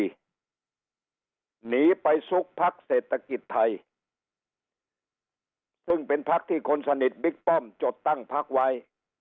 หนีไปซุกพักเศรษฐกิจไทยซึ่งเป็นพักที่คนสนิทบิ๊กป้อมจดตั้งพักไว้